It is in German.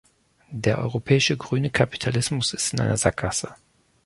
Der europäische grüne Kapitalismus ist in einer Sackgasse.